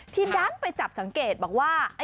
ที่ด้านไปจับสังเกตบอกว่า